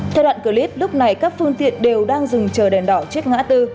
theo đoạn clip lúc này các phương tiện đều đang dừng chờ đèn đỏ chết ngã tư